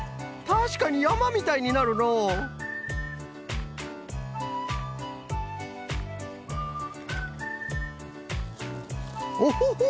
たしかにやまみたいになるのうオホホ！